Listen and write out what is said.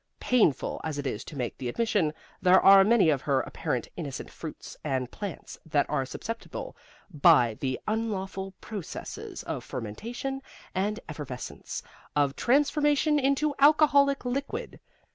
Painful as it is to make the admission, there are many of her apparently innocent fruits and plants that are susceptible, by the unlawful processes of fermentation and effervescence, of transformation into alcoholic liquid.